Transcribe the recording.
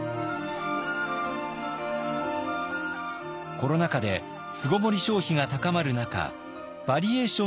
コロナ禍で巣籠もり消費が高まる中バリエーション